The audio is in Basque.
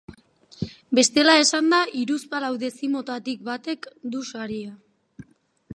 Bestela esanda, hiruzpalau dezimotatik batek du saria.